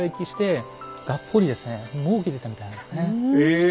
え！